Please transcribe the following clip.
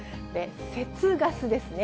節ガスですね。